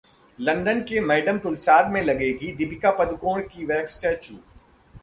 London के Madame Tussauds में लगेगा दीपिका पादुकोण का वैक्स स्टेच्यू